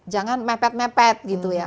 jangan mepet mepet gitu ya